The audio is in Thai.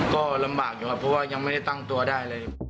ก็ลำบากอยู่ครับเพราะว่ายังไม่ได้ตั้งตัวได้เลย